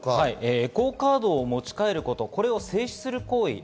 エコーカードを持ち帰ることを制止する行為。